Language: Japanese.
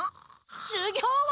しゅぎょうは？